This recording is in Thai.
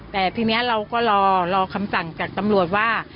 แต่ทีนี้เราก็รอคำสั่งจากตำรวจว่า